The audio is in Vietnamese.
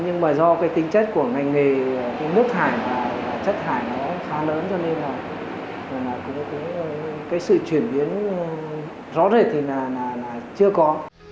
nhưng mà do cái tính chất của ngành nghề nước thải chất thải nó khá lớn cho nên là cái sự chuyển biến rõ rệt thì là chưa có